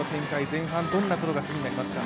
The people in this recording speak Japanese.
前半どんなことが気になりますか？